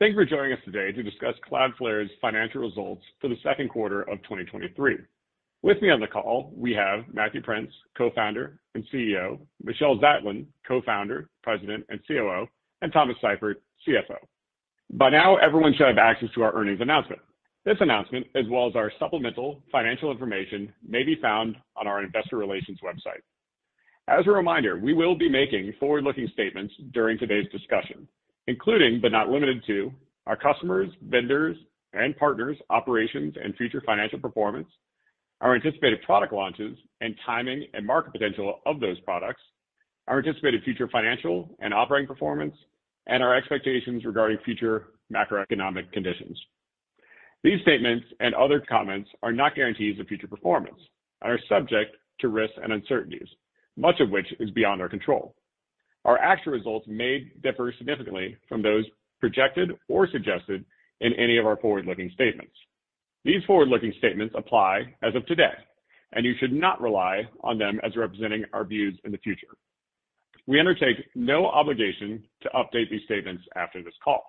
Thank you for joining us today to discuss Cloudflare's financial results for the second quarter of 2023. With me on the call, we have Matthew Prince, Co-founder and CEO, Michelle Zatlyn, Co-founder, President, and COO, and Thomas Seifert, CFO. By now, everyone should have access to our earnings announcement. This announcement, as well as our supplemental financial information, may be found on our investor relations website. As a reminder, we will be making forward-looking statements during today's discussion, including, but not limited to, our customers, vendors, and partners, operations, and future financial performance, our anticipated product launches and timing and market potential of those products, our anticipated future financial and operating performance, and our expectations regarding future macroeconomic conditions. These statements and other comments are not guarantees of future performance and are subject to risks and uncertainties, much of which is beyond our control. Our actual results may differ significantly from those projected or suggested in any of our forward-looking statements. These forward-looking statements apply as of today, and you should not rely on them as representing our views in the future. We undertake no obligation to update these statements after this call.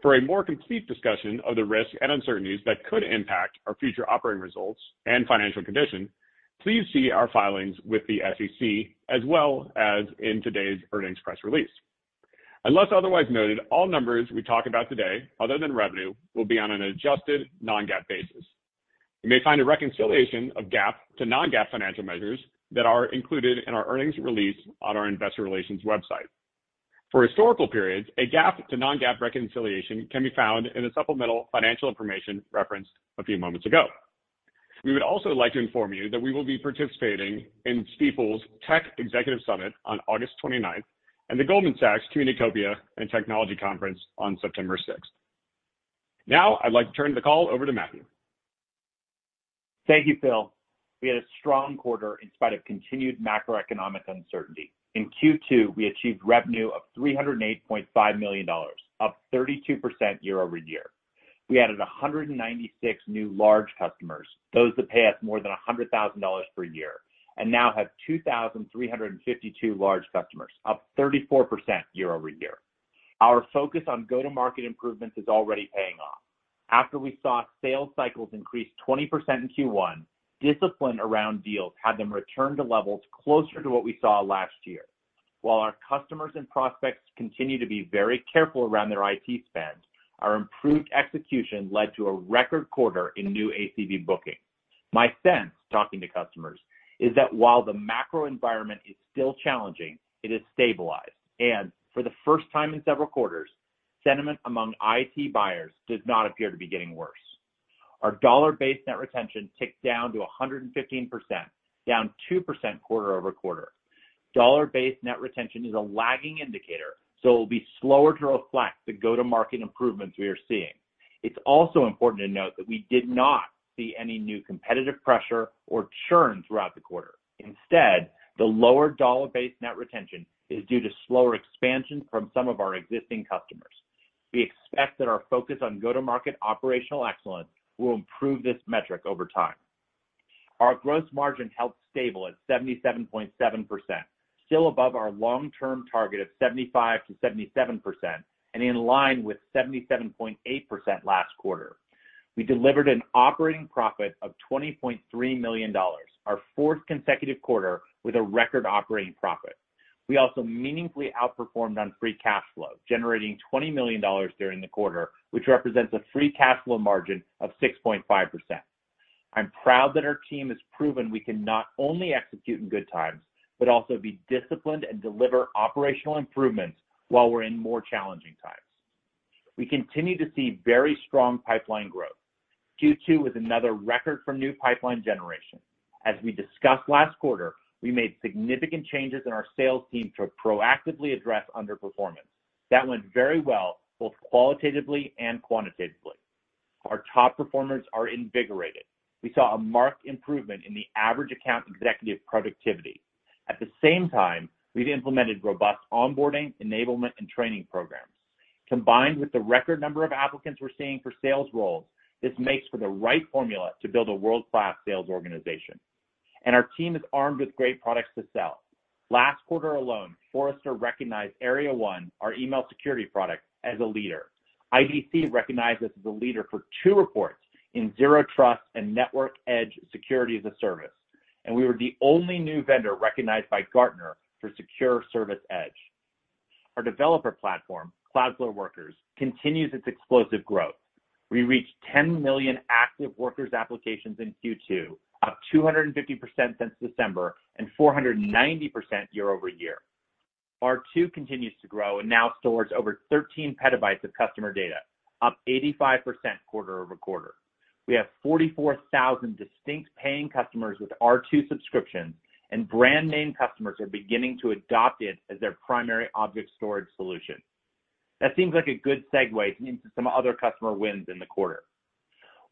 For a more complete discussion of the risks and uncertainties that could impact our future operating results and financial condition, please see our filings with the SEC, as well as in today's earnings press release. Unless otherwise noted, all numbers we talk about today, other than revenue, will be on an adjusted non-GAAP basis. You may find a reconciliation of GAAP to non-GAAP financial measures that are included in our earnings release on our investor relations website. For historical periods, a GAAP to non-GAAP reconciliation can be found in the supplemental financial information referenced a few moments ago. We would also like to inform you that we will be participating in Stifel's Tech Executive Summit on August 29th and the Goldman Sachs Communacopia + Technology Conference on September 6th. Now, I'd like to turn the call over to Matthew. Thank you, Phil. We had a strong quarter in spite of continued macroeconomic uncertainty. In Q2, we achieved revenue of $308.5 million, up 32% year-over-year. We added 196 new large customers, those that pay us more than $100,000 per year, and now have 2,352 large customers, up 34% year-over-year. Our focus on go-to-market improvements is already paying off. After we saw sales cycles increase 20% in Q1, discipline around deals had them return to levels closer to what we saw last year. While our customers and prospects continue to be very careful around their IT spend, our improved execution led to a record quarter in new ACV booking. My sense, talking to customers, is that while the macro environment is still challenging, it has stabilized, and for the first time in several quarters, sentiment among IT buyers does not appear to be getting worse. Our dollar-based net retention ticked down to 115%, down 2% quarter-over-quarter. Dollar-based net retention is a lagging indicator, so it will be slower to reflect the go-to-market improvements we are seeing. It's also important to note that we did not see any new competitive pressure or churn throughout the quarter. Instead, the lower dollar-based net retention is due to slower expansion from some of our existing customers. We expect that our focus on go-to-market operational excellence will improve this metric over time. Our gross margin held stable at 77.7%, still above our long-term target of 75%-77% and in line with 77.8% last quarter. We delivered an operating profit of $20.3 million, our fourth consecutive quarter with a record operating profit. We also meaningfully outperformed on free cash flow, generating $20 million during the quarter, which represents a free cash flow margin of 6.5%. I'm proud that our team has proven we can not only execute in good times, but also be disciplined and deliver operational improvements while we're in more challenging times. We continue to see very strong pipeline growth. Q2 was another record for new pipeline generation. As we discussed last quarter, we made significant changes in our sales team to proactively address underperformance. That went very well, both qualitatively and quantitatively. Our top performers are invigorated. We saw a marked improvement in the average account executive productivity. At the same time, we've implemented robust onboarding, enablement, and training programs. Combined with the record number of applicants we're seeing for sales roles, this makes for the right formula to build a world-class sales organization, and our team is armed with great products to sell. Last quarter alone, Forrester recognized Area 1, our email security product, as a leader. IDC recognized us as a leader for two reports in Zero Trust and Network Edge Security as a Service, and we were the only new vendor recognized by Gartner for Secure Service Edge. Our developer platform, Cloudflare Workers, continues its explosive growth. We reached 10 million active Workers applications in Q2, up 250% since December and 490% year-over-year. R2 continues to grow and now stores over 13 petabytes of customer data, up 85% quarter-over-quarter. We have 44,000 distinct paying customers with R2 subscriptions, and brand name customers are beginning to adopt it as their primary object storage solution. That seems like a good segue into some other customer wins in the quarter.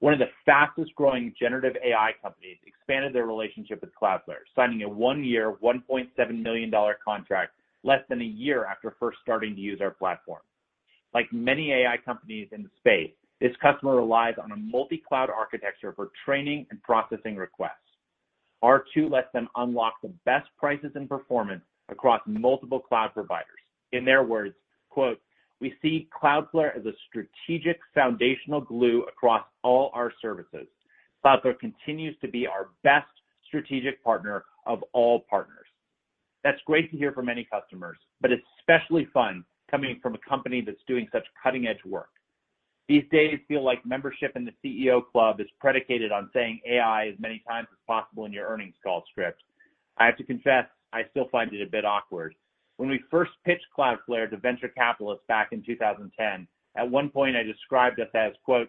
One of the fastest growing generative AI companies expanded their relationship with Cloudflare, signing a 1-year, $1.7 million contract less than a year after first starting to use our platform. Like many AI companies in the space, this customer relies on a multi-cloud architecture for training and processing requests. R2 lets them unlock the best prices and performance across multiple cloud providers. In their words, quote, "We see Cloudflare as a strategic foundational glue across all our services. Cloudflare continues to be our best strategic partner of all partners." That's great to hear from many customers, but it's especially fun coming from a company that's doing such cutting-edge work. These days feel like membership in the CEO club is predicated on saying AI as many times as possible in your earnings call script. I have to confess, I still find it a bit awkward. When we first pitched Cloudflare to venture capitalists back in 2010, at one point I described us as, quote,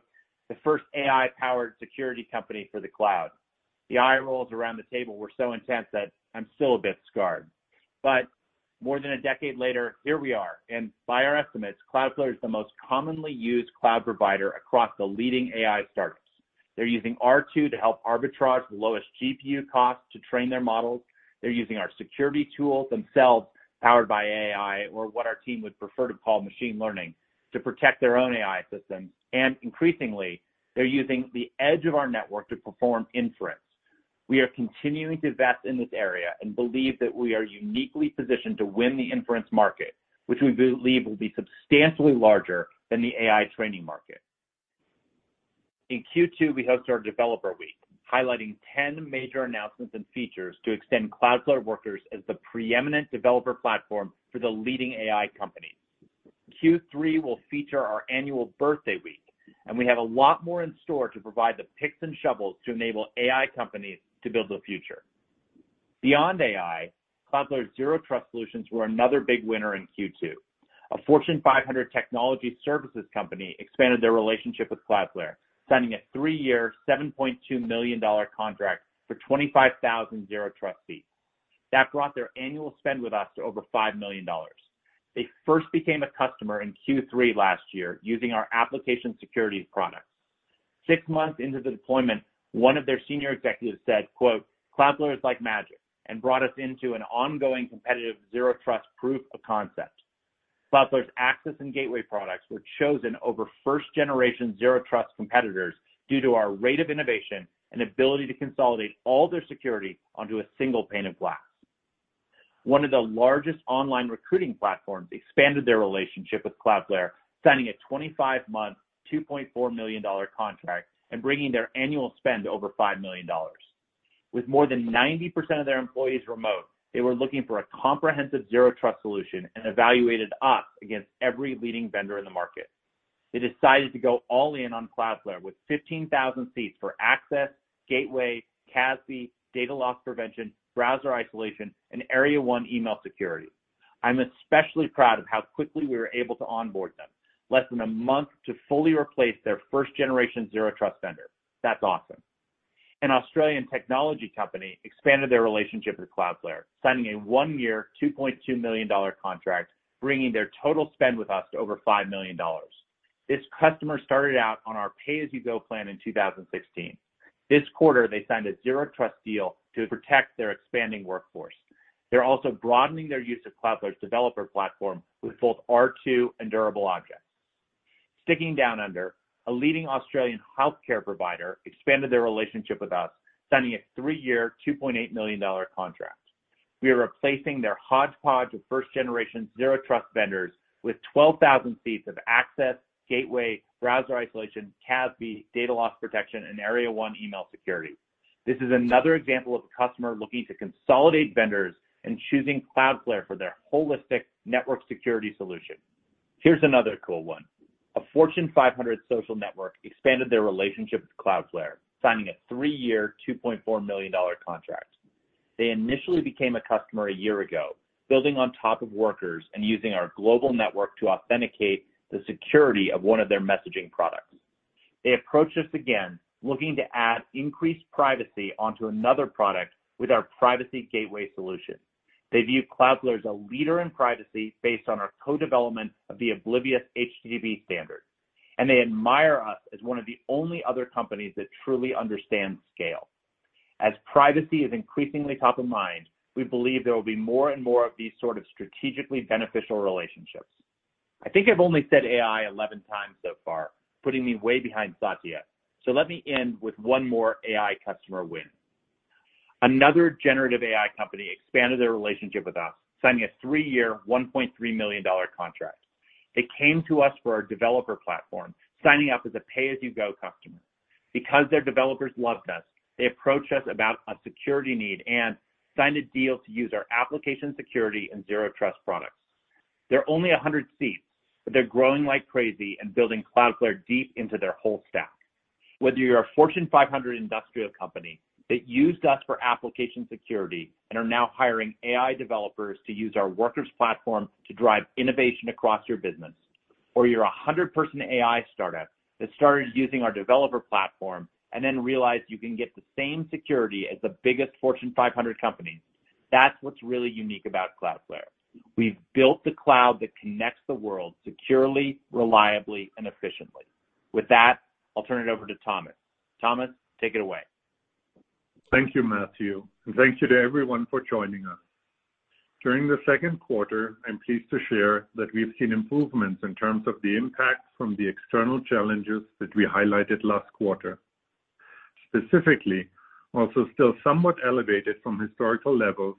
"The first AI-powered security company for the cloud." The eye rolls around the table were so intense that I'm still a bit scarred. More than a decade later, here we are, and by our estimates, Cloudflare is the most commonly used cloud provider across the leading AI startups. They're using R2 to help arbitrage the lowest GPU costs to train their models. They're using our security tools, themselves, powered by AI, or what our team would prefer to call machine learning, to protect their own AI systems. Increasingly, they're using the edge of our network to perform inference. We are continuing to invest in this area and believe that we are uniquely positioned to win the inference market, which we believe will be substantially larger than the AI training market. In Q2, we hosted our Developer Week, highlighting 10 major announcements and features to extend Cloudflare Workers as the preeminent developer platform for the leading AI companies. Q3 will feature our annual Birthday Week, we have a lot more in store to provide the picks and shovels to enable AI companies to build the future. Beyond AI, Cloudflare's Zero Trust solutions were another big winner in Q2. A Fortune 500 technology services company expanded their relationship with Cloudflare, signing a 3-year, $7.2 million contract for 25,000 Zero Trust seats. That brought their annual spend with us to over $5 million. They first became a customer in Q3 last year, using our application security products. Six months into the deployment, one of their senior executives said, quote, "Cloudflare is like magic, and brought us into an ongoing competitive Zero Trust proof of concept." Cloudflare's Access and Gateway products were chosen over first-generation Zero Trust competitors due to our rate of innovation and ability to consolidate all their security onto a single pane of glass. One of the largest online recruiting platforms expanded their relationship with Cloudflare, signing a 25-month, $2.4 million contract and bringing their annual spend to over $5 million. With more than 90% of their employees remote, they were looking for a comprehensive Zero Trust solution and evaluated us against every leading vendor in the market. They decided to go all in on Cloudflare with 15,000 seats for Access, Gateway, CASB, Data Loss Prevention, Browser Isolation, and Area 1 email security. I'm especially proud of how quickly we were able to onboard them. Less than a month to fully replace their first-generation Zero Trust vendor. That's awesome. An Australian technology company expanded their relationship with Cloudflare, signing a 1-year, $2.2 million contract, bringing their total spend with us to over $5 million. This customer started out on our pay-as-you-go plan in 2016. This quarter, they signed a Zero Trust deal to protect their expanding workforce. They're also broadening their use of Cloudflare's developer platform with both R2 and Durable Objects. Sticking down under, a leading Australian healthcare provider expanded their relationship with us, signing a 3-year, $2.8 million contract. We are replacing their hodgepodge of first-generation Zero Trust vendors with 12,000 seats of Access, Gateway, Browser Isolation, CASB, Data Loss Protection, and Area 1 email security. This is another example of a customer looking to consolidate vendors and choosing Cloudflare for their holistic network security solution. Here's another cool one: A Fortune 500 social network expanded their relationship with Cloudflare, signing a 3-year, $2.4 million contract. They initially became a customer a year ago, building on top of Workers and using our global network to authenticate the security of one of their messaging products. They approached us again, looking to add increased privacy onto another product with our Privacy Gateway solution. They view Cloudflare as a leader in privacy based on our co-development of the Oblivious HTTP standard. They admire us as one of the only other companies that truly understand scale. As privacy is increasingly top of mind, we believe there will be more and more of these sort of strategically beneficial relationships. I think I've only said AI 11 times so far, putting me way behind Satya. Let me end with one more AI customer win. Another generative AI company expanded their relationship with us, signing a 3-year, $1.3 million contract. They came to us for our developer platform, signing up as a pay-as-you-go customer. Because their developers loved us, they approached us about a security need and signed a deal to use our application security and Zero Trust products. They're only 100 seats, but they're growing like crazy and building Cloudflare deep into their whole stack. Whether you're a Fortune 500 industrial company that used us for application security and are now hiring AI developers to use our Workers platform to drive innovation across your business, or you're a 100-person AI startup that started using our developer platform and then realized you can get the same security as the biggest Fortune 500 companies, that's what's really unique about Cloudflare. We've built the cloud that connects the world securely, reliably, and efficiently. With that, I'll turn it over to Thomas. Thomas, take it away. Thank you, Matthew, and thank you to everyone for joining us. During the second quarter, I'm pleased to share that we've seen improvements in terms of the impacts from the external challenges that we highlighted last quarter. Specifically, also still somewhat elevated from historical levels,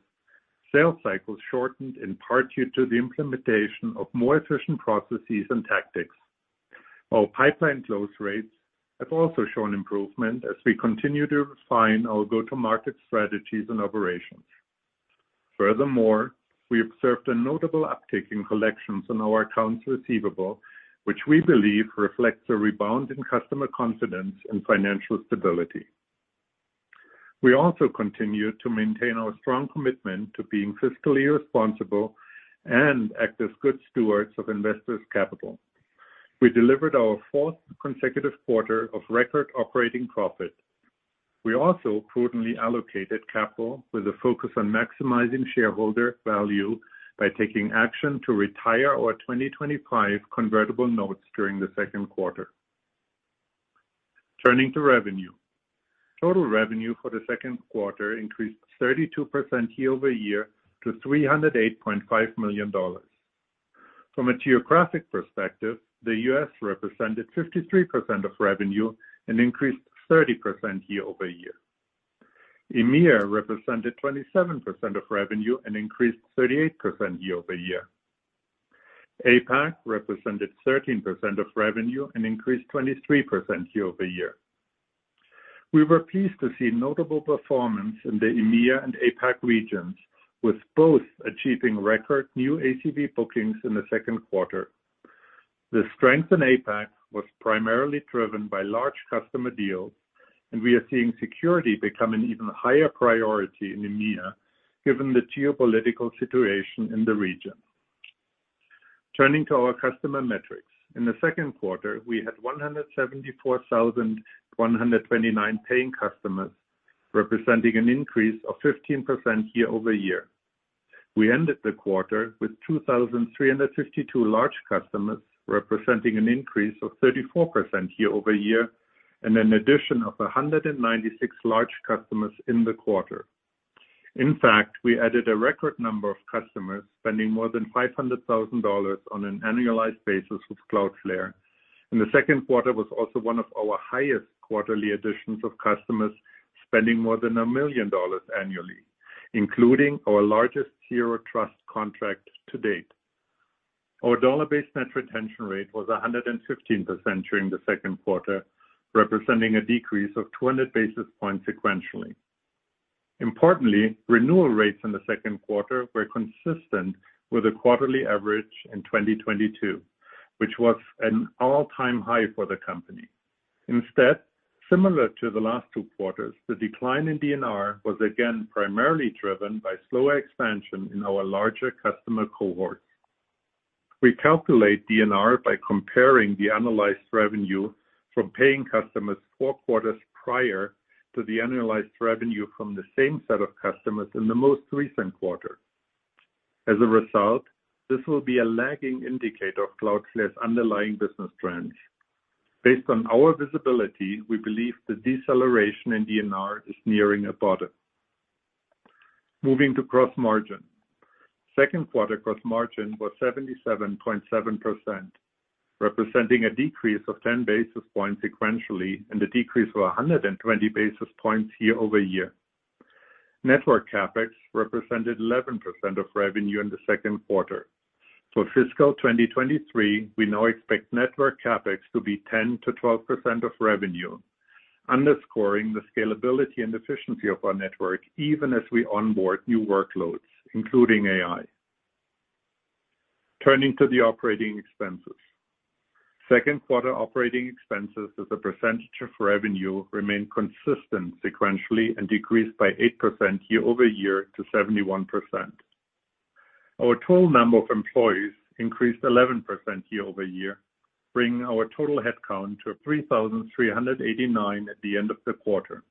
sales cycles shortened in part due to the implementation of more efficient processes and tactics, while pipeline close rates have also shown improvement as we continue to refine our go-to-market strategies and operations. Furthermore, we observed a notable uptick in collections on our accounts receivable, which we believe reflects a rebound in customer confidence and financial stability. We also continue to maintain our strong commitment to being fiscally responsible and act as good stewards of investors' capital. We delivered our fourth consecutive quarter of record operating profit. We also prudently allocated capital with a focus on maximizing shareholder value by taking action to retire our 2025 convertible notes during the second quarter. Turning to revenue. Total revenue for the second quarter increased 32% year-over-year to $308.5 million. From a geographic perspective, the U.S. represented 53% of revenue and increased 30% year-over-year. EMEA represented 27% of revenue and increased 38% year-over-year. APAC represented 13% of revenue and increased 23% year-over-year. We were pleased to see notable performance in the EMEA and APAC regions, with both achieving record new ACV bookings in the second quarter. The strength in APAC was primarily driven by large customer deals, and we are seeing security become an even higher priority in EMEA, given the geopolitical situation in the region. Turning to our customer metrics. In the second quarter, we had 174,129 paying customers, representing an increase of 15% year-over-year. We ended the quarter with 2,352 large customers, representing an increase of 34% year-over-year, and an addition of 196 large customers in the quarter. In fact, we added a record number of customers spending more than $500,000 on an annualized basis with Cloudflare. The second quarter was also one of our highest quarterly additions of customers spending more than $1 million annually, including our largest Zero Trust contract to date. Our dollar-based net retention rate was 115% during the second quarter, representing a decrease of 200 basis points sequentially. Importantly, renewal rates in the second quarter were consistent with a quarterly average in 2022, which was an all-time high for the company. Instead, similar to the last two quarters, the decline in DNR was again primarily driven by slower expansion in our larger customer cohort. We calculate DNR by comparing the analyzed revenue from paying customers four quarters prior to the annualized revenue from the same set of customers in the most recent quarter. As a result, this will be a lagging indicator of Cloudflare's underlying business trends. Based on our visibility, we believe the deceleration in DNR is nearing a bottom. Moving to gross margin. Second quarter gross margin was 77.7%, representing a decrease of 10 basis points sequentially, and a decrease of 120 basis points year-over-year. Network CapEx represented 11% of revenue in the second quarter. For fiscal 2023, we now expect network CapEx to be 10%-12% of revenue, underscoring the scalability and efficiency of our network, even as we onboard new workloads, including AI. Turning to the operating expenses. Second quarter operating expenses as a percentage of revenue remained consistent sequentially and decreased by 8% year-over-year to 71%. Our total number of employees increased 11% year-over-year, bringing our total headcount to 3,389 at the end of the quarter.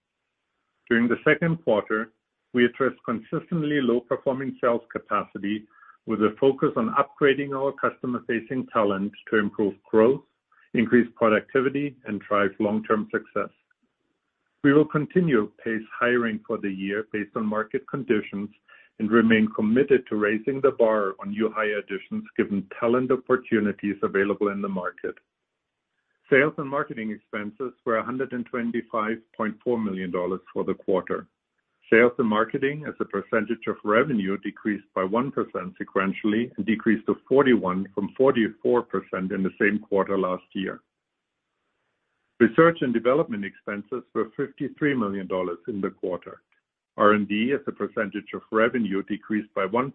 During the second quarter, we addressed consistently low-performing sales capacity with a focus on upgrading our customer-facing talent to improve growth, increase productivity, and drive long-term success. We will continue pace hiring for the year based on market conditions and remain committed to raising the bar on new hire additions, given talent opportunities available in the market. Sales and marketing expenses were $125.4 million for the quarter. Sales and marketing, as a percentage of revenue, decreased by 1% sequentially and decreased to 41% from 44% in the same quarter last year. Research and development expenses were $53 million in the quarter. R&D, as a percentage of revenue, decreased by 1%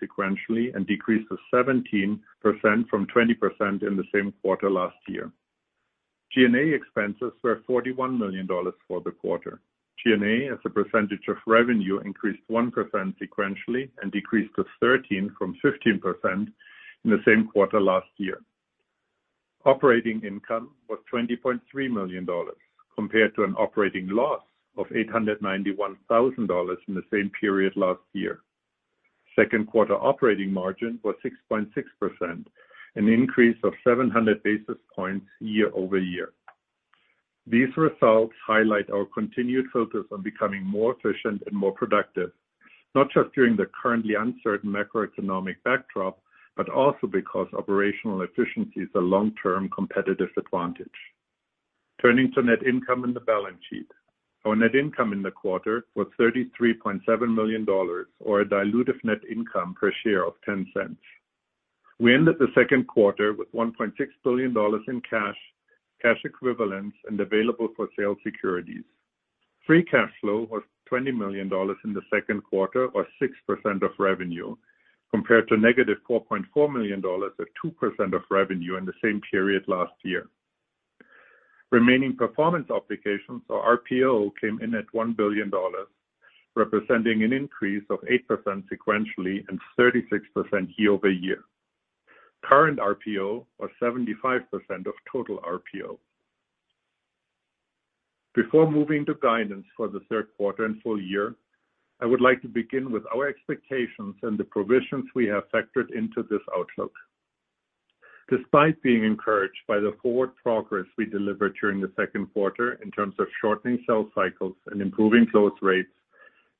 sequentially and decreased to 17% from 20% in the same quarter last year. G&A expenses were $41 million for the quarter. G&A, as a percentage of revenue, increased 1% sequentially and decreased to 13% from 15% in the same quarter last year. Operating income was $20.3 million, compared to an operating loss of $891,000 in the same period last year. Second quarter operating margin was 6.6%, an increase of 700 basis points year-over-year. These results highlight our continued focus on becoming more efficient and more productive, not just during the currently uncertain macroeconomic backdrop, but also because operational efficiency is a long-term competitive advantage. Turning to net income and the balance sheet. Our net income in the quarter was $33.7 million, or a dilutive net income per share of $0.10. We ended the second quarter with $1.6 billion in cash, cash equivalents, and available for sale securities. Free cash flow was $20 million in the second quarter, or 6% of revenue, compared to -$4.4 million, or 2% of revenue, in the same period last year. Remaining performance obligations, or RPO, came in at $1 billion, representing an increase of 8% sequentially and 36% year-over-year. Current RPO was 75% of total RPO. Before moving to guidance for the third quarter and full year, I would like to begin with our expectations and the provisions we have factored into this outlook. Despite being encouraged by the forward progress we delivered during the second quarter in terms of shortening sales cycles and improving close rates,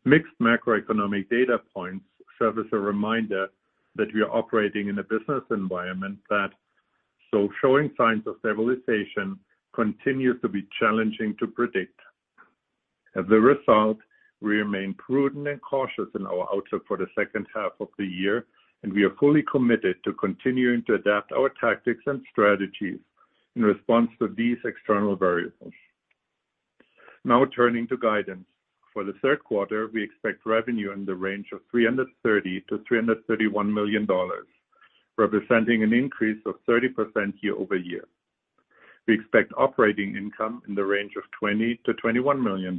mixed macroeconomic data points serve as a reminder that we are operating in a business environment that, so showing signs of stabilization, continues to be challenging to predict. Result, we remain prudent and cautious in our outlook for the second half of the year. We are fully committed to continuing to adapt our tactics and strategies in response to these external variables. Now, turning to guidance. For the third quarter, we expect revenue in the range of $330 million-$331 million, representing an increase of 30% year-over-year. We expect operating income in the range of $20 million-$21 million,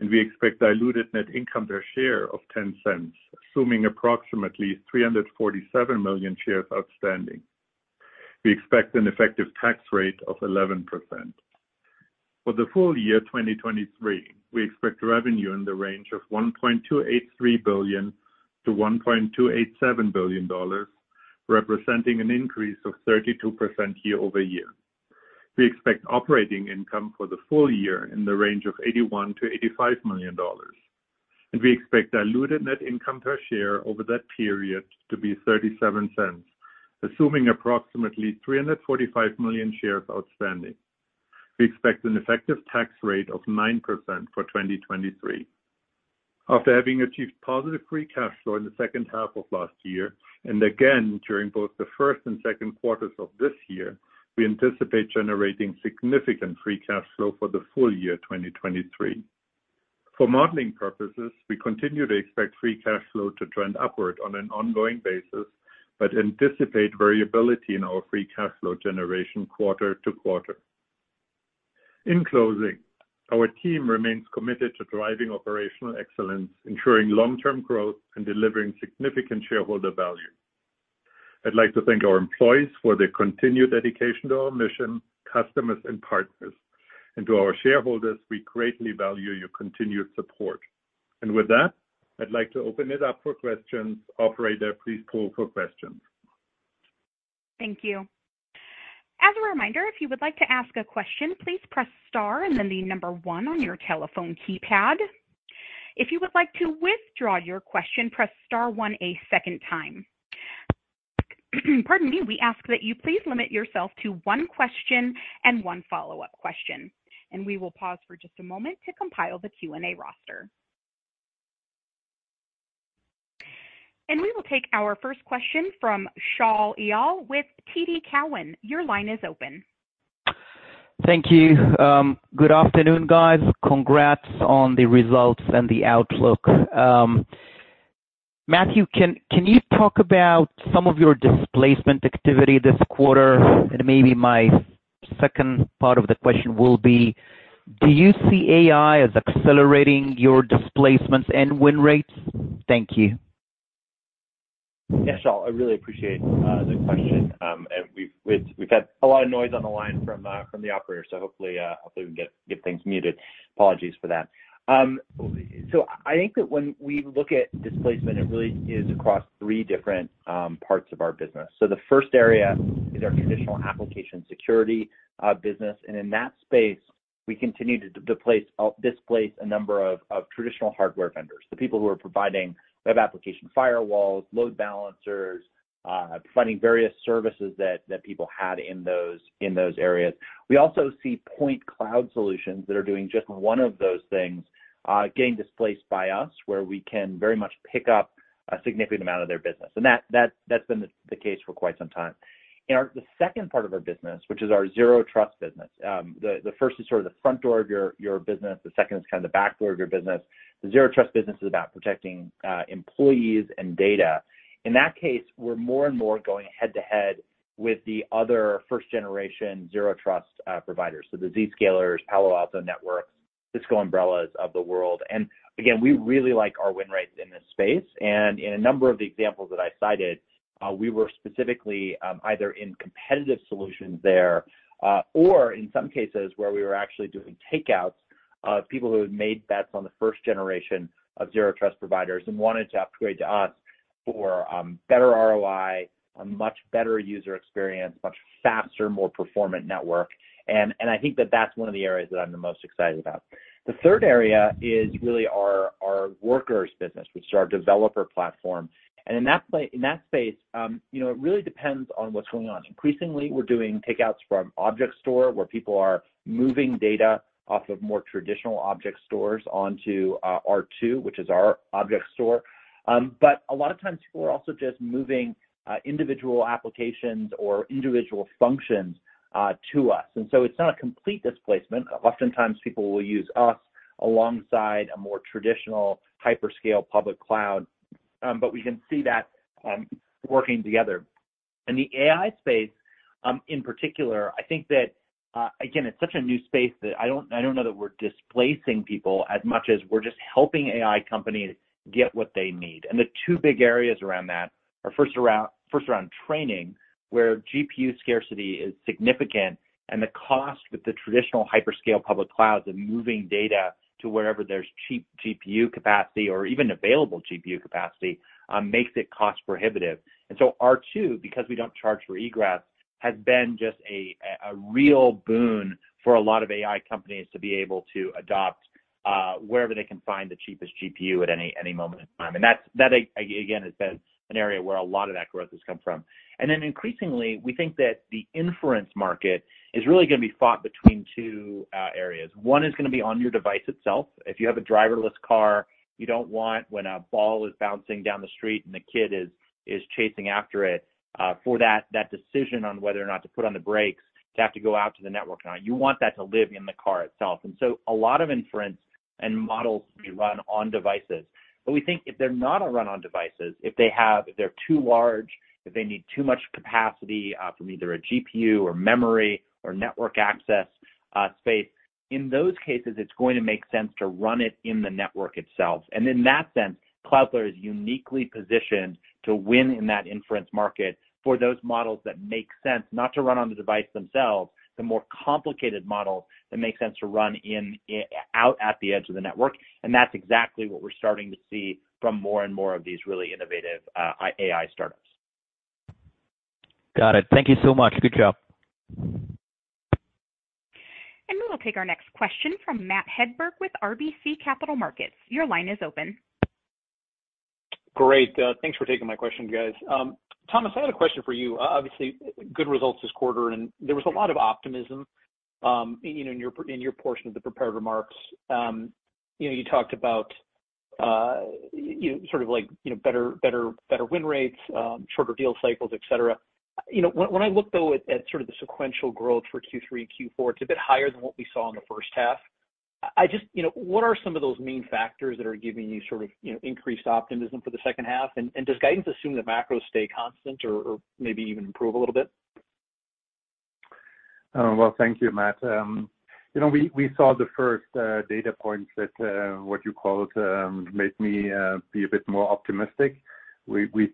and we expect diluted net income per share of $0.10, assuming approximately 347 million shares outstanding. We expect an effective tax rate of 11%. For the full year 2023, we expect revenue in the range of $1.283 billion-$1.287 billion, representing an increase of 32% year-over-year. We expect operating income for the full year in the range of $81 million-$85 million, and we expect diluted net income per share over that period to be $0.37, assuming approximately 345 million shares outstanding. We expect an effective tax rate of 9% for 2023. After having achieved positive free cash flow in the second half of last year, and again, during both the first and second quarters of this year, we anticipate generating significant free cash flow for the full year 2023. For modeling purposes, we continue to expect free cash flow to trend upward on an ongoing basis, but anticipate variability in our free cash flow generation quarter to quarter. In closing, our team remains committed to driving operational excellence, ensuring long-term growth and delivering significant shareholder value. I'd like to thank our employees for their continued dedication to our mission, customers, and partners. To our shareholders, we greatly value your continued support. With that, I'd like to open it up for questions. Operator, please pull for questions. Thank you. As a reminder, if you would like to ask a question, please press star and then the number one on your telephone keypad. If you would like to withdraw your question, press star one a second time. Pardon me. We ask that you please limit yourself to one question and one follow-up question. We will pause for just a moment to compile the Q&A roster. We will take our first question from Shaul Eyal with TD Cowen. Your line is open. Thank you. good afternoon, guys. Congrats on the results and the outlook. Matthew, can you talk about some of your displacement activity this quarter? Maybe my second part of the question will be: do you see AI as accelerating your displacements and win rates? Thank you. Yes, Shaul, I really appreciate the question. We've, we've, we've had a lot of noise on the line from the operator, so hopefully, hopefully we get, get things muted. Apologies for that. I think that when we look at displacement, it really is across three different parts of our business. The first area is our traditional application security business, and in that space, we continue to deplace, displace a number of, of traditional hardware vendors. The people who are providing web application firewalls, load balancers, providing various services that, that people had in those, in those areas. We also see point cloud solutions that are doing just one of those things, getting displaced by us, where we can very much pick up a significant amount of their business. That, that's, that's been the case for quite some time. In our the second part of our business, which is our Zero Trust business, the, the first is sort of the front door of your, your business, the second is kind of the back door of your business. The Zero Trust business is about protecting employees and data. In that case, we're more and more going head-to-head with the other first generation Zero Trust providers. The Zscaler, Palo Alto Networks, Cisco Umbrella of the world. Again, we really like our win rates in this space. In a number of the examples that I cited, we were specifically either in competitive solutions there, or in some cases, where we were actually doing takeouts of people who had made bets on the first generation of Zero Trust providers and wanted to upgrade to us for better ROI, a much better user experience, much faster, more performant network. I think that that's one of the areas that I'm the most excited about. The third area is really our Workers business, which is our developer platform. In that space, you know, it really depends on what's going on. Increasingly, we're doing takeouts from object store, where people are moving data off of more traditional object stores onto R2, which is our object store. A lot of times, people are also just moving, individual applications or individual functions, to us. It's not a complete displacement. Oftentimes, people will use us alongside a more traditional hyperscale public cloud, but we can see that, working together. In the AI space, in particular, I think that, again, it's such a new space that I don't, I don't know that we're displacing people as much as we're just helping AI companies get what they need. The two big areas around that are first around, first around training, where GPU scarcity is significant and the cost with the traditional hyperscale public clouds and moving data to wherever there's cheap GPU capacity or even available GPU capacity, makes it cost prohibitive. R2, because we don't charge for egress, has been just a real boon for a lot of AI companies to be able to adopt wherever they can find the cheapest GPU at any, any moment in time. That's, again, is an area where a lot of that growth has come from. Increasingly, we think that the inference market is really gonna be fought between two areas. One is gonna be on your device itself. If you have a driverless car, you don't want, when a ball is bouncing down the street and the kid is chasing after it, for that decision on whether or not to put on the brakes, to have to go out to the network. Now, you want that to live in the car itself. A lot of inference and models will be run on devices. We think if they're not a run on devices, if they have, if they're too large, if they need too much capacity from either a GPU or memory or network access space, in those cases, it's going to make sense to run it in the network itself. In that sense, Cloudflare is uniquely positioned to win in that inference market for those models that make sense, not to run on the device themselves, the more complicated models that make sense to run out at the edge of the network. That's exactly what we're starting to see from more and more of these really innovative AI startups. Got it. Thank you so much. Good job. We will take our next question from Matt Hedberg with RBC Capital Markets. Your line is open. Great, thanks for taking my question, guys. Thomas, I had a question for you. Obviously, good results this quarter, and there was a lot of optimism, you know, in your portion of the prepared remarks. You know, you talked about, you know, sort of like, you know, better, better, better win rates, shorter deal cycles, etc. You know, when, when I look, though, at, at sort of the sequential growth for Q3, Q4, it's a bit higher than what we saw in the first half. I just, you know, what are some of those main factors that are giving you sort of, you know, increased optimism for the second half? Does guidance assume that macros stay constant or, or maybe even improve a little bit? Well, thank you, Matt. You know, we, we saw the first data points that what you called made me be a bit more optimistic. We, we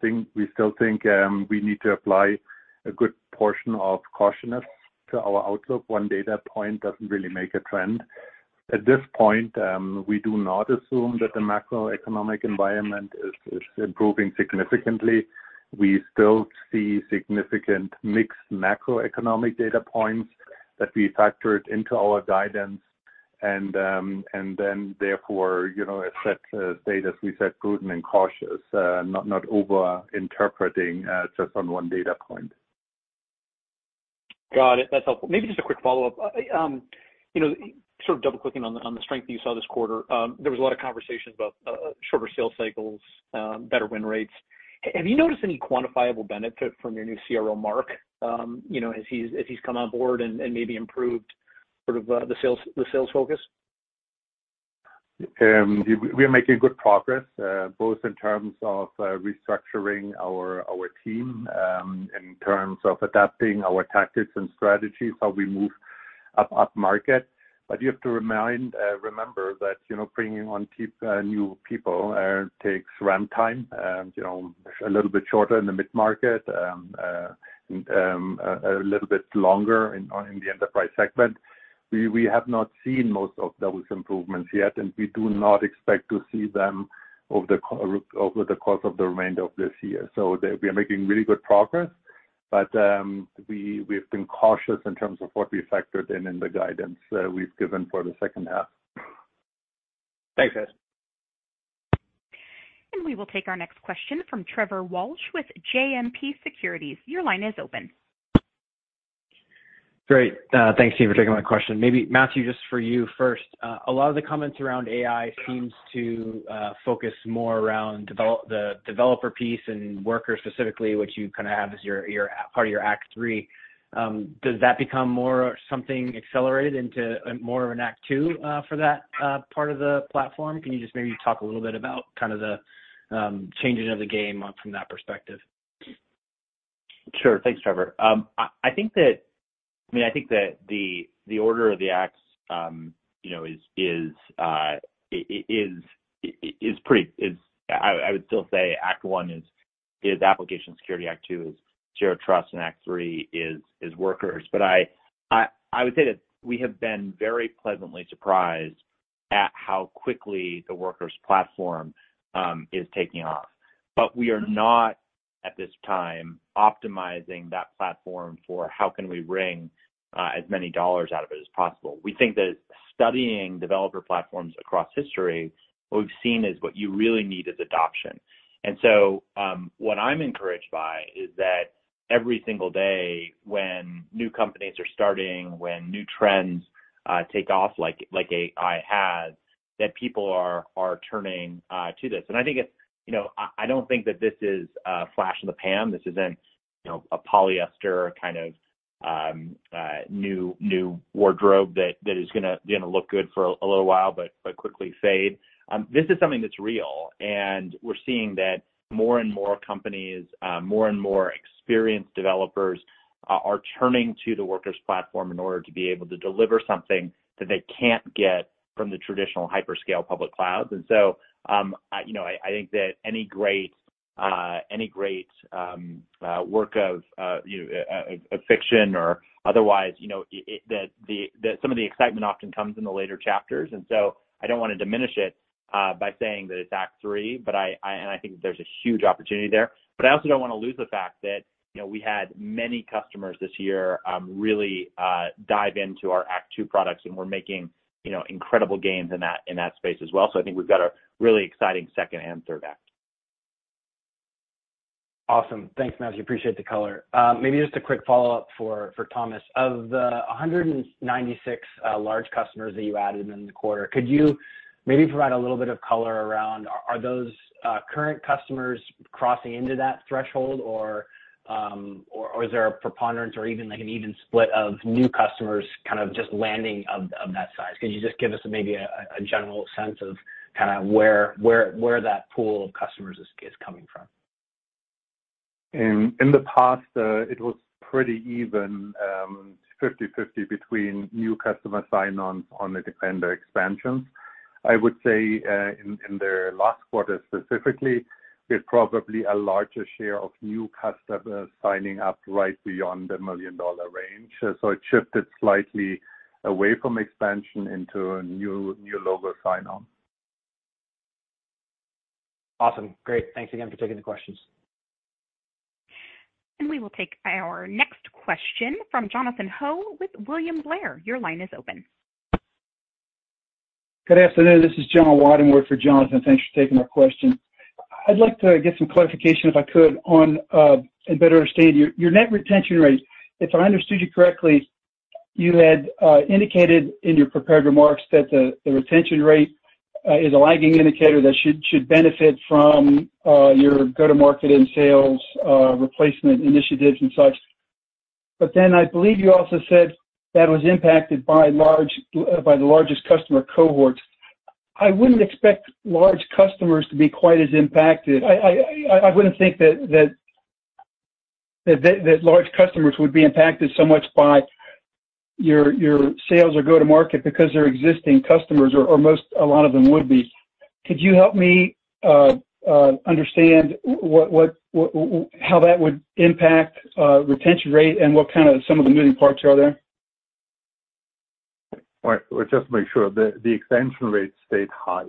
still think we need to apply a good portion of cautiousness to our outlook. 1 data point doesn't really make a trend. At this point, we do not assume that the macroeconomic environment is, is improving significantly. We still see significant mixed macroeconomic data points that we factored into our guidance, and then therefore, you know, as that data, as we said, prudent and cautious, not, not overinterpreting, just on 1 data point. Got it. That's helpful. Maybe just a quick follow-up. You know, sort of double-clicking on the strength you saw this quarter, there was a lot of conversations about shorter sales cycles, better win rates. Have you noticed any quantifiable benefit from your new CRO, Marc, you know, as he's, as he's come on board and maybe improved sort of the sales, the sales focus? We are making good progress, both in terms of restructuring our team, in terms of adapting our tactics and strategies, how we move upmarket. You have to remind, remember that, you know, bringing on new people takes ramp time, you know, a little bit shorter in the mid-market, a little bit longer in the enterprise segment. We, we have not seen most of those improvements yet, and we do not expect to see them over the course of the remainder of this year. We are making really good progress, but we, we've been cautious in terms of what we factored in, in the guidance, we've given for the second half. Thanks, guys. We will take our next question from Trevor Walsh with JMP Securities. Your line is open. Great. Thanks for taking my question. Maybe Matthew, just for you first, a lot of the comments around AI seems to focus more around devel- the developer piece and Workers specifically, which you kind of have as your, your part of your act three. Does that become more something accelerated into a more of an act two for that part of the platform? Can you just maybe talk a little bit about kind of the changing of the game from that perspective? Sure. Thanks, Trevor. I, I think that, I mean, I think that the order of the acts, you know, is I, I would still say act one is application security, act two is Zero Trust, and act three is Workers. I, I, I would say that we have been very pleasantly surprised at how quickly the Workers platform is taking off. We are not, at this time, optimizing that platform for how can we wring as many dollars out of it as possible. We think that studying developer platforms across history, what we've seen is what you really need is adoption. What I'm encouraged by is that every single day when new companies are starting, when new trends take off like, like AI had, that people are turning to this. I think it's, you know, I, I don't think that this is a flash in the pan. This isn't, you know, a polyester kind of new, new wardrobe that, that is gonna, gonna look good for a little while, but, but quickly fade. This is something that's real, we're seeing that more and more companies, more and more experienced developers are turning to the Workers platform in order to be able to deliver something that they can't get from the traditional hyperscale public clouds. I, you know, I, I think that any great, any great, work of, you know, a fiction or otherwise, you know, that some of the excitement often comes in the later chapters. I don't want to diminish it by saying that it's act three, but I, and I think there's a huge opportunity there. I also don't want to lose the fact that, you know, we had many customers this year, really, dive into our act two products, and we're making, you know, incredible gains in that, in that space as well. I think we've got a really exciting second and third act. Awesome. Thanks, Matthew. Appreciate the color. Maybe just a quick follow-up for Thomas. Of the 196 large customers that you added in the quarter, could you maybe provide a little bit of color around, are those current customers crossing into that threshold or is there a preponderance or even, like an even split of new customers kind of just landing of that size? Could you just give us maybe a general sense of kind of where that pool of customers is coming from? In, in the past, it was pretty even, 50/50 between new customer sign-ons on the defender expansions. I would say, in, in the last quarter specifically, it's probably a larger share of new customers signing up right beyond the million-dollar range. It shifted slightly away from expansion into a new, new logo sign-on. Awesome. Great. Thanks again for taking the questions. We will take our next question from Jonathan Ho with William Blair. Your line is open. Good afternoon. This is John Weidemoyer for Jonathan. Thanks for taking our question. I'd like to get some clarification, if I could, on and better understand your, your net retention rates. If I understood you correctly, you had indicated in your prepared remarks that the, the retention rate is a lagging indicator that should, should benefit from your go-to-market and sales replacement initiatives and such. Then I believe you also said that was impacted by large, by the largest customer cohorts. I wouldn't expect large customers to be quite as impacted. I, I, I wouldn't think that, that, that, that large customers would be impacted so much by your, your sales or go-to-market because they're existing customers or, or most, a lot of them would be. Could you help me understand what, what, how that would impact retention rate and what kind of some of the moving parts are there? Well, just to make sure, the, the expansion rate stayed high.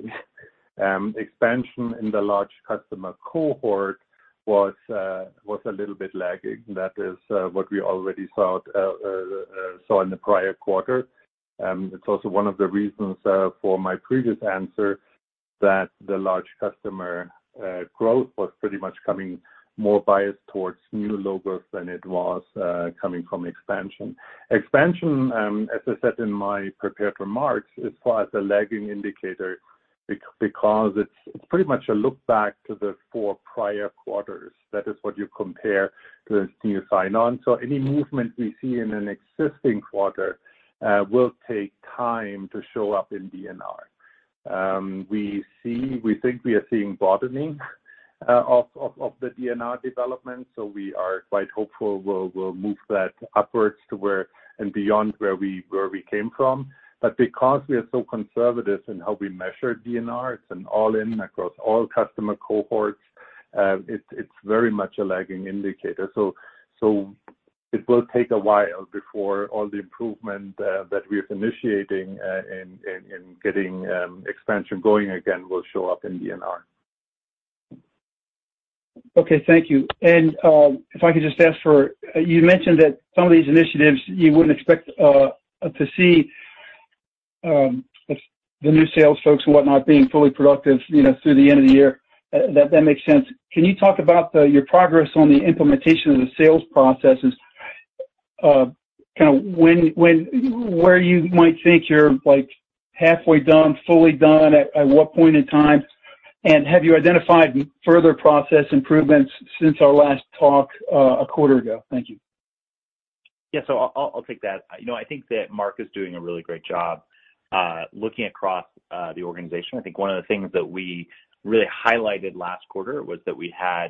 Expansion in the large customer cohort was a little bit lagging. That is what we already saw in the prior quarter. It's also one of the reasons for my previous answer, that the large customer growth was pretty much coming more biased towards new logos than it was coming from expansion. Expansion, as I said in my prepared remarks, is far as a lagging indicator because it's, it's pretty much a look back to the four prior quarters. That is what you compare to the new sign-on. Any movement we see in an existing quarter will take time to show up in DNR. We think we are seeing bottoming of the DNR development, so we are quite hopeful we'll, we'll move that upwards to where and beyond where we, where we came from. Because we are so conservative in how we measure DNR, it's an all-in across all customer cohorts, it's, it's very much a lagging indicator. It will take a while before all the improvement that we are initiating in getting expansion going again will show up in DNR. Okay, thank you. If I could just ask for, you mentioned that some of these initiatives, you wouldn't expect to see the new sales folks and whatnot, being fully productive, you know, through the end of the year. That, that makes sense. Can you talk about your progress on the implementation of the sales processes? Kind of when, when, where you might think you're, like, halfway done, fully done, at, at what point in time? Have you identified further process improvements since our last talk a quarter ago? Thank you. Yeah, I'll, I'll, I'll take that. You know, I think that Mark is doing a really great job, looking across the organization. I think one of the things that we really highlighted last quarter was that we had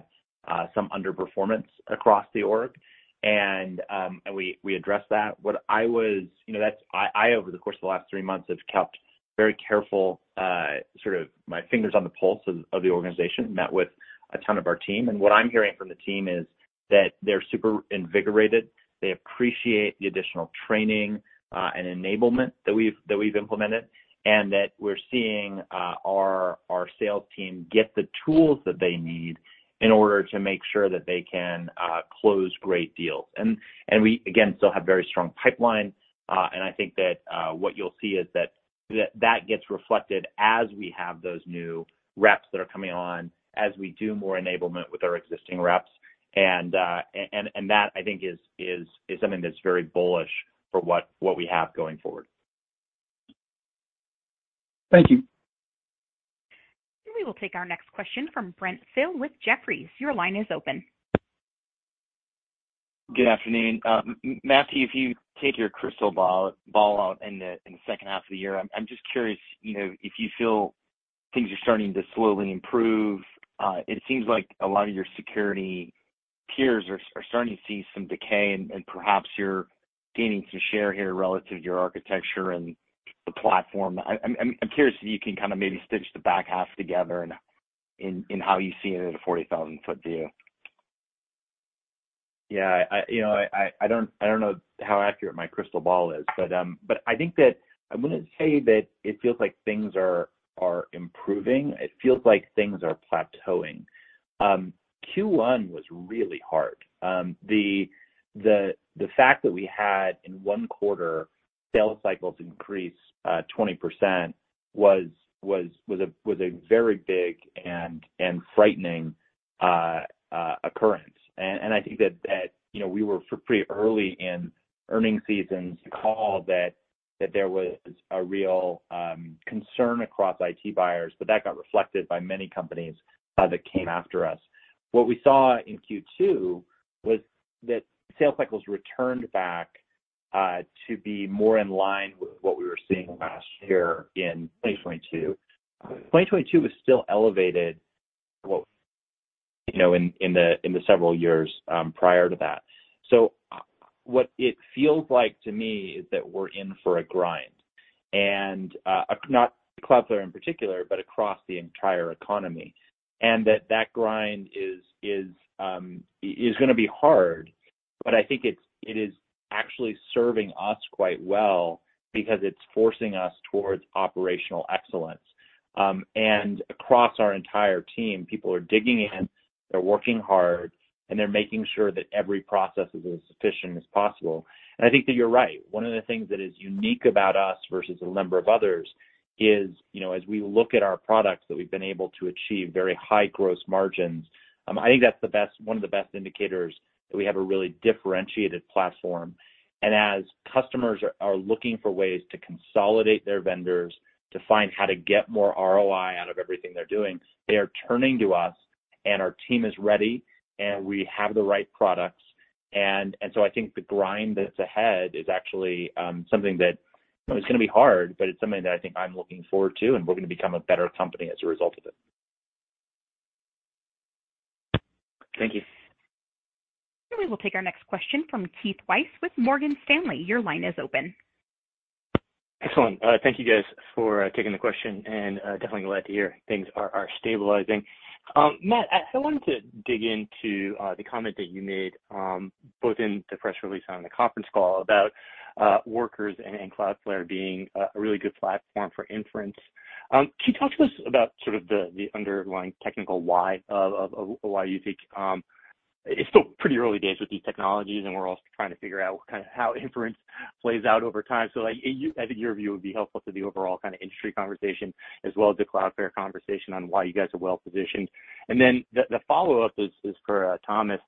some underperformance across the org, and, and we, we addressed that. You know, I, over the course of the last three months, have kept very careful, sort of my fingers on the pulse of, of the organization, met with a ton of our team. What I'm hearing from the team is that they're super invigorated. They appreciate the additional training, and enablement that we've, that we've implemented, and that we're seeing, our, our sales team get the tools that they need in order to make sure that they can, close great deals. We, again, still have very strong pipeline. I think that, what you'll see is that, that gets reflected as we have those new reps that are coming on, as we do more enablement with our existing reps. That, I think, is, is, is something that's very bullish for what, what we have going forward. Thank you. We will take our next question from Brent Thill with Jefferies. Your line is open. Good afternoon. Matthew, if you take your crystal ball out in the second half of the year, I'm just curious, you know, if you feel things are starting to slowly improve. It seems like a lot of your security peers are starting to see some decay, and perhaps you're gaining some share here relative to your architecture and the platform. I'm curious if you can kind of maybe stitch the back half together in how you see it at a 40,000 ft view? Yeah, I, you know, I, I don't, I don't know how accurate my crystal ball is, but I think that I wouldn't say that it feels like things are, are improving. It feels like things are plateauing. Q1 was really hard. The fact that we had, in one quarter, sales cycles increase, 20% was, was, was a, was a very big and, and frightening occurrence. I think that, that, you know, we were pretty early in earnings season to call that, that there was a real concern across IT buyers, but that got reflected by many companies that came after us. What we saw in Q2 was that sales cycles returned back to be more in line with what we were seeing last year in 2022. 2022 was still elevated, well, you know, in, in the, in the several years prior to that. What it feels like to me is that we're in for a grind, and not Cloudflare in particular, but across the entire economy, and that that grind is, is gonna be hard, but I think it is actually serving us quite well because it's forcing us towards operational excellence. Across our entire team, people are digging in, they're working hard, and they're making sure that every process is as efficient as possible. I think that you're right. One of the things that is unique about us versus a number of others is, you know, as we look at our products, that we've been able to achieve very high gross margins. I think that's the best, one of the best indicators that we have a really differentiated platform. As customers are, are looking for ways to consolidate their vendors, to find how to get more ROI out of everything they're doing, they are turning to us. Our team is ready, and we have the right products. I think the grind that's ahead is actually, something that, you know, it's gonna be hard, but it's something that I think I'm looking forward to, and we're going to become a better company as a result of it. Thank you. We will take our next question from Keith Weiss with Morgan Stanley. Your line is open. Excellent. Thank you guys for taking the question, and definitely glad to hear things are stabilizing. Matt, I wanted to dig into the comment that you made both in the press release and on the conference call about Cloudflare Workers and Cloudflare being a really good platform for inference. Can you talk to us about sort of the underlying technical why of why you think It's still pretty early days with these technologies, and we're all trying to figure out kind of how inference plays out over time. I think your view would be helpful to the overall kind of industry conversation, as well as the Cloudflare conversation, on why you guys are well positioned. Then the follow-up is for Thomas.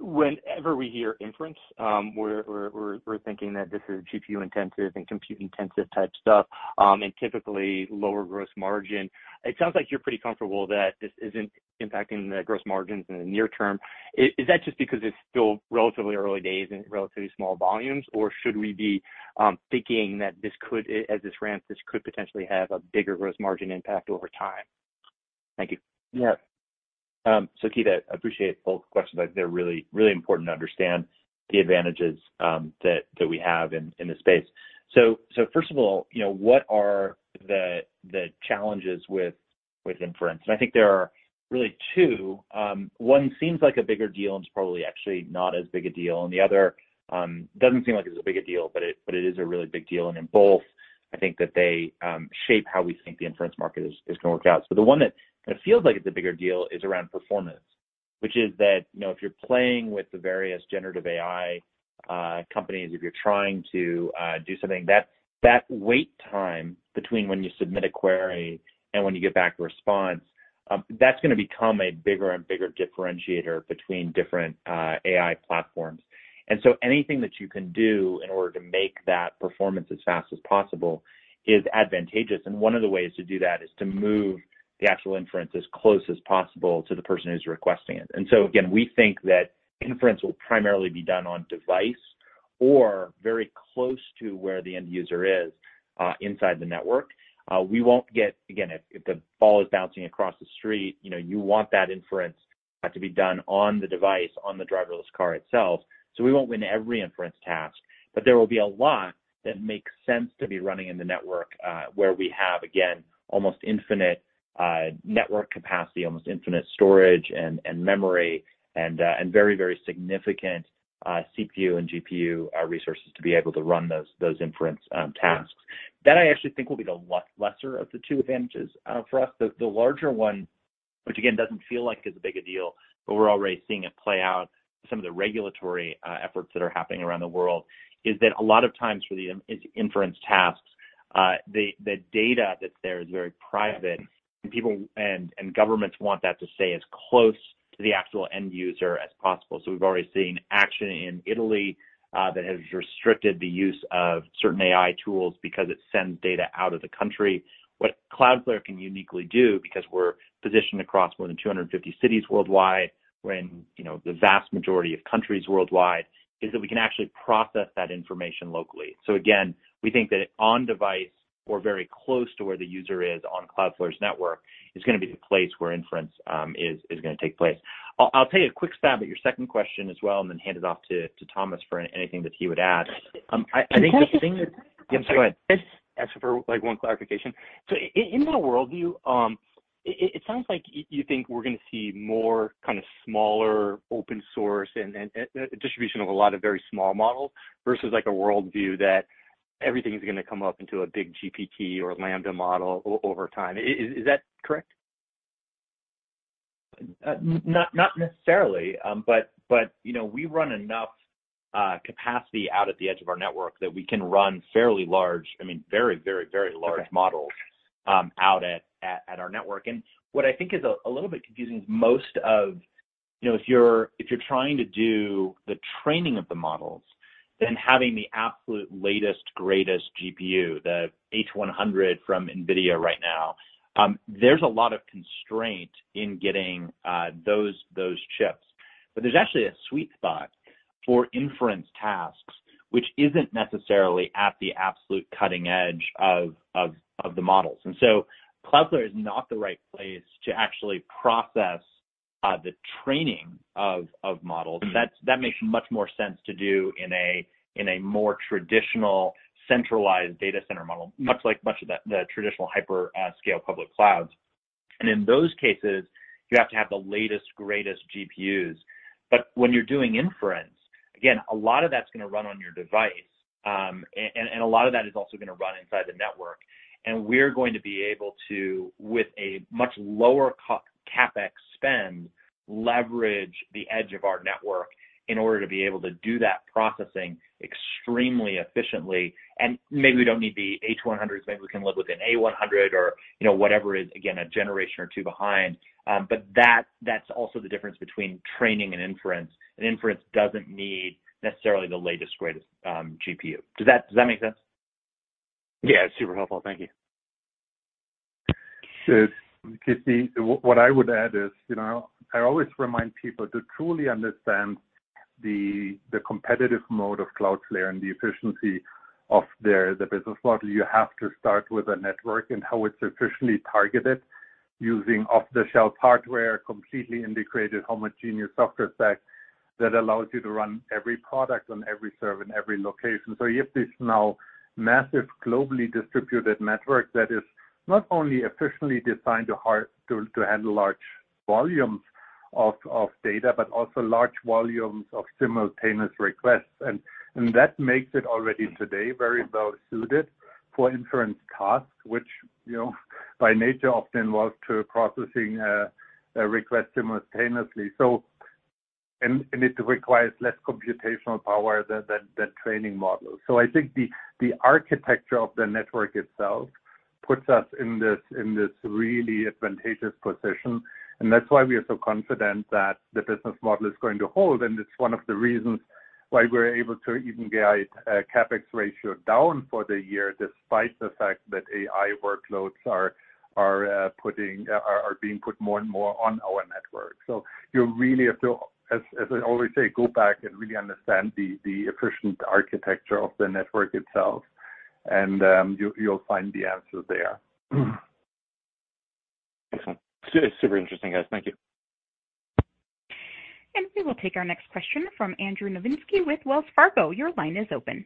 Whenever we hear inference, we're thinking that this is GPU-intensive and compute-intensive type stuff, and typically lower gross margin. It sounds like you're pretty comfortable that this isn't impacting the gross margins in the near term. Is that just because it's still relatively early days and relatively small volumes, or should we be thinking that this could, as this ramps, this could potentially have a bigger gross margin impact over time? Thank you. Yeah. Keith, I appreciate both questions. I think they're really, really important to understand the advantages, that, that we have in, in this space. First of all, you know, what are the, the challenges with, with inference? I think there are really two. One seems like a bigger deal, and it's probably actually not as big a deal, and the other, doesn't seem like it's as big a deal, but it, but it is a really big deal. In both, I think that they, shape how we think the inference market is, is gonna work out. The one that kind of feels like it's a bigger deal is around performance, which is that, you know, if you're playing with the various generative AI companies, if you're trying to do something, that, that wait time between when you submit a query and when you get back a response, that's gonna become a bigger and bigger differentiator between different AI platforms. Anything that you can do in order to make that performance as fast as possible is advantageous. One of the ways to do that is to move the actual inference as close as possible to the person who's requesting it. Again, we think that inference will primarily be done on device or very close to where the end user is inside the network. We won't get. Again, if, if the ball is bouncing across the street, you know, you want that inference to be done on the device, on the driverless car itself. We won't win every inference task, but there will be a lot that makes sense to be running in the network, where we have, again, almost infinite network capacity, almost infinite storage and, and memory and very, very significant CPU and GPU resources to be able to run those, those inference tasks. That, I actually think, will be the lesser of the two advantages for us. The, the larger one, which again, doesn't feel like it's a big a deal, but we're already seeing it play out, some of the regulatory efforts that are happening around the world, is that a lot of times for the inference tasks, the, the data that's there is very private, and people and, and governments want that to stay as close to the actual end user as possible. We've already seen action in Italy, that has restricted the use of certain AI tools because it sends data out of the country. What Cloudflare can uniquely do, because we're positioned across more than 250 cities worldwide, we're in, you know, the vast majority of countries worldwide, is that we can actually process that information locally. Again, we think that on device or very close to where the user is on Cloudflare's network, is gonna be the place where inference is gonna take place. I'll tell you a quick stab at your second question as well, then hand it off to Thomas for anything that he would add. I think the thing that. Can I just. Yes, go ahead. Ask for, like, one clarification. In the worldview, it sounds like you think we're gonna see more kind of smaller, open source and distribution of a lot of very small models versus like a worldview that everything is gonna come up into a big GPT or LaMDA model over time. Is that correct? Not necessarily. You know, we run enough capacity out at the edge of our network that we can run fairly large, I mean, very, very, very large. Okay. Models, out at, at, at our network. What I think is a, a little bit confusing is, you know, if you're, if you're trying to do the training of the models, then having the absolute latest, greatest GPU, the H100 from NVIDIA right now, there's a lot of constraint in getting those, those chips. There's actually a sweet spot for inference tasks, which isn't necessarily at the absolute cutting edge of, of, of the models. Cloudflare is not the right place to actually process the training of, of models. Mm-hmm. That's, that makes much more sense to do in a, in a more traditional, centralized data center model, much like much of the, the traditional hyperscale public clouds. In those cases, you have to have the latest, greatest GPUs. When you're doing inference, again, a lot of that's gonna run on your device, and a lot of that is also gonna run inside the network. We're going to be able to, with a much lower CapEx spend, leverage the edge of our network in order to be able to do that processing extremely efficiently. Maybe we don't need the H100s, maybe we can live with an A100 or, you know, whatever is, again, one generation or two behind. That, that's also the difference between training and inference, and inference doesn't need necessarily the latest, greatest, GPU. Does that, does that make sense? Yeah, super helpful. Thank you. Yes, Keith, what I would add is, you know, I always remind people to truly understand the competitive mode of Cloudflare and the efficiency of the business model. You have to start with a network and how it's efficiently targeted using off-the-shelf hardware, completely integrated, homogeneous software stack that allows you to run every product on every server, in every location. You have this now massive, globally distributed network that is not only efficiently designed to handle large volumes of data, but also large volumes of simultaneous requests. That makes it already today, very well suited for inference tasks, which, you know, by nature, often involve to processing requests simultaneously. It requires less computational power than training models. I think the, the architecture of the network itself puts us in this, in this really advantageous position, and that's why we are so confident that the business model is going to hold. It's one of the reasons why we're able to even guide CapEx ratio down for the year, despite the fact that AI workloads are, are being put more and more on our network. You really have to, as, as I always say, go back and really understand the, the efficient architecture of the network itself, and you, you'll find the answer there. Excellent. It's super interesting, guys. Thank you. We will take our next question from Andrew Nowinski with Wells Fargo. Your line is open.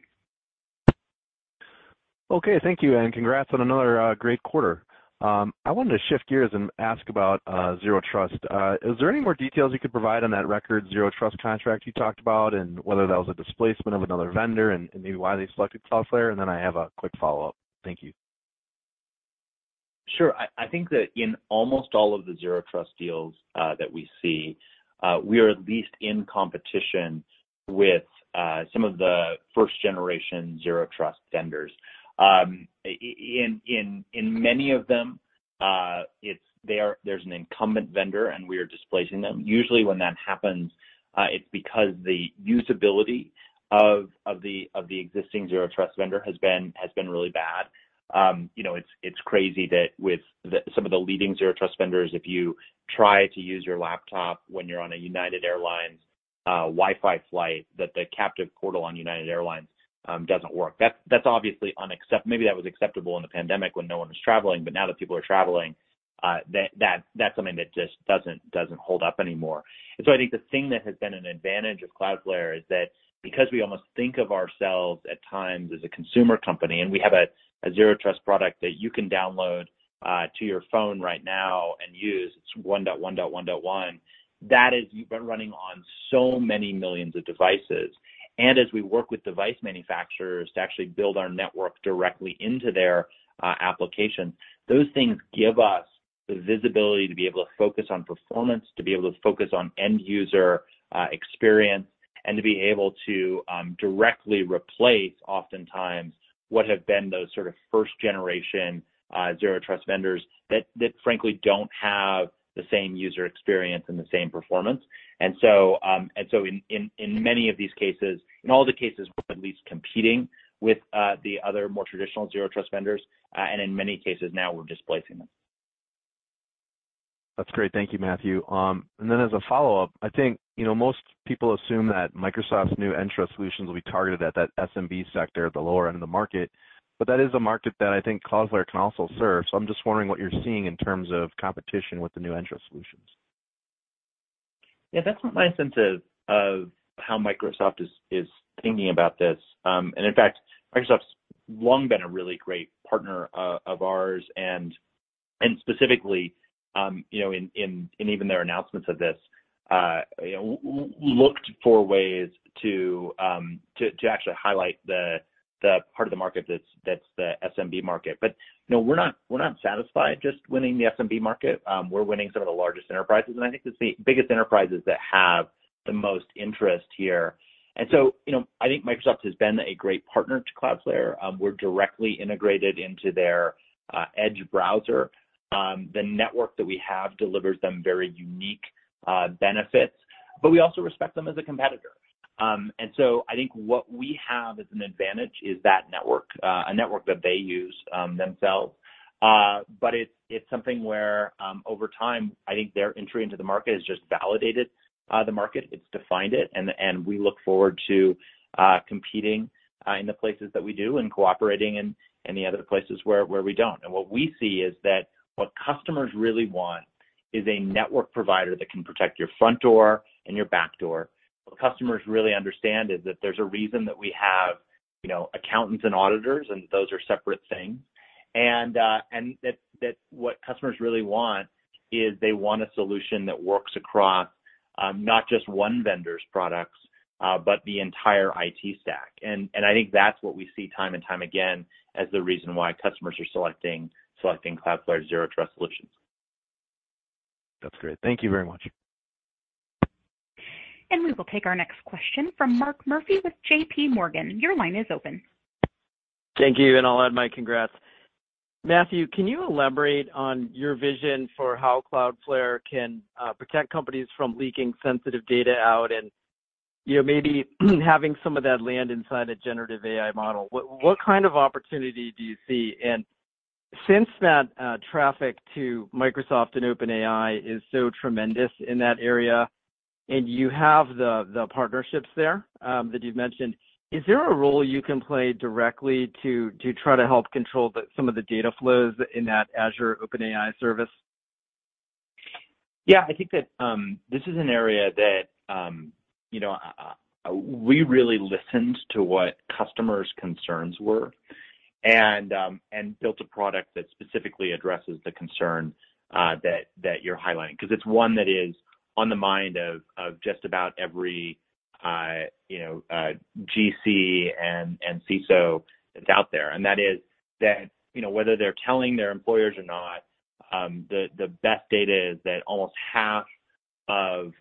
Okay, thank you, and congrats on another great quarter. I wanted to shift gears and ask about Zero Trust. Is there any more details you could provide on that record, Zero Trust contract you talked about, and whether that was a displacement of another vendor, and maybe why they selected Cloudflare? Then I have a quick follow-up. Thank you. Sure. I, I think that in almost all of the Zero Trust deals that we see, we are at least in competition with some of the first generation Zero Trust vendors. In many of them, there's an incumbent vendor, and we are displacing them. Usually, when that happens, it's because the usability of the existing Zero Trust vendor has been really bad. You know, it's crazy that with some of the leading Zero Trust vendors, if you try to use your laptop when you're on a United Airlines Wi-Fi flight, that the captive portal on United Airlines doesn't work. That's, that's obviously Maybe that was acceptable in the pandemic when no one was traveling, but now that people are traveling, that, that's something that just doesn't, doesn't hold up anymore. I think the thing that has been an advantage of Cloudflare is that because we almost think of ourselves at times as a consumer company, and we have a, a Zero Trust product that you can download to your phone right now and use, it's 1.1.1.1. We've been running on so many millions of devices. As we work with device manufacturers to actually build our network directly into their application, those things give us the visibility to be able to focus on performance, to be able to focus on end user experience, and to be able to directly replace, oftentimes, what have been those sort of first-generation Zero Trust vendors that, that frankly don't have the same user experience and the same performance. And so in, in, in many of these cases, in all the cases, we're at least competing with the other more traditional Zero Trust vendors, and in many cases now, we're displacing them. That's great. Thank you, Matthew. As a follow-up, I think, you know, most people assume that Microsoft's new Entra solutions will be targeted at that SMB sector at the lower end of the market, but that is a market that I think Cloudflare can also serve. I'm just wondering what you're seeing in terms of competition with the new Entra solutions. Yeah, that's not my sense of, of how Microsoft is, is thinking about this. In fact, Microsoft's long been a really great partner of ours, and specifically, you know, in, in, in even their announcements of this, you know, looked for ways to actually highlight the part of the market that's, that's the SMB market. You know, we're not, we're not satisfied just winning the SMB market. We're winning some of the largest enterprises, and I think it's the biggest enterprises that have the most interest here. So, you know, I think Microsoft has been a great partner to Cloudflare. We're directly integrated into their Edge browser. The network that we have delivers them very unique benefits, but we also respect them as a competitor. So I think what we have as an advantage is that network, a network that they use, themselves. It's, it's something where, over time, I think their entry into the market has just validated the market. It's defined it, and, and we look forward to competing in the places that we do and cooperating in the other places where, where we don't. What we see is that what customers really want is a network provider that can protect your front door and your back door. What customers really understand is that there's a reason that we have, you know, accountants and auditors, and those are separate things. And that, that what customers really want is they want a solution that works across, not just one vendor's products, but the entire IT stack. I think that's what we see time and time again, as the reason why customers are selecting, selecting Cloudflare's Zero Trust solutions. That's great. Thank you very much. We will take our next question from Mark Murphy with JPMorgan. Your line is open. Thank you, and I'll add my congrats. Matthew, can you elaborate on your vision for how Cloudflare can protect companies from leaking sensitive data out and, you know, maybe, having some of that land inside a generative AI model? What, what kind of opportunity do you see? Since that traffic to Microsoft and OpenAI is so tremendous in that area, and you have the partnerships there that you've mentioned, is there a role you can play directly to try to help control the some of the data flows in that Azure OpenAI Service? Yeah, I think that, this is an area that, you know, we really listened to what customers' concerns were and built a product that specifically addresses the concern, that, that you're highlighting. 'Cause it's one that is on the mind of, of just about every, you know, GC and CISO that's out there. And that is that, you know, whether they're telling their employers or not, the, the best data is that almost half of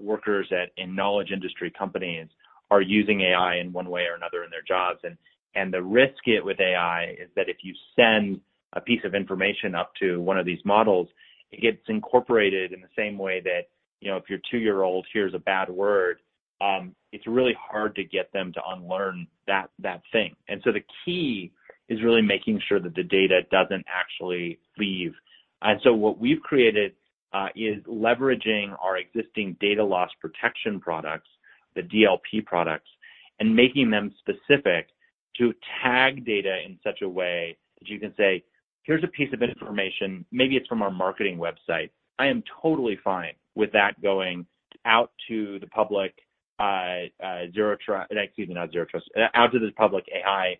workers in knowledge industry companies are using AI in one way or another in their jobs. The risk it with AI is that if you send a piece of information up to one of these models, it gets incorporated in the same way that, you know, if your 2-year-old hears a bad word, it's really hard to get them to unlearn that, that thing. So the key is really making sure that the data doesn't actually leave. So what we've created, is leveraging our existing Data Loss Prevention products, the DLP products, and making them specific to tag data in such a way that you can say: Here's a piece of information. Maybe it's from our marketing website. I am totally fine with that going out to the public Zero Trust, excuse me, not Zero Trust. Out to the public AI